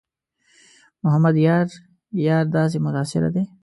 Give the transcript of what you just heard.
محمد یار یار داسې متاثره دی.